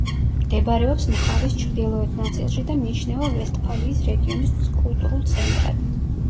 მდებარეობს მხარის ჩრდილოეთ ნაწილში და მიიჩნევა ვესტფალიის რეგიონის კულტურულ ცენტრად.